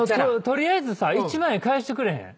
取りあえずさ１万円返してくれへん？